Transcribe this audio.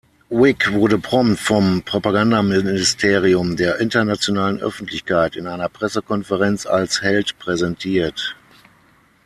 Wick wurde prompt vom Propagandaministerium der internationalen Öffentlichkeit in einer Pressekonferenz als „Held“ präsentiert.